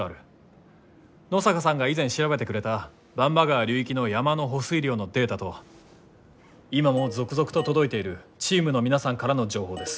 野坂さんが以前調べてくれた番場川流域の山の保水量のデータと今も続々と届いているチームの皆さんからの情報です。